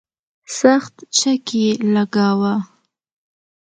سخت چک یې لګاوه.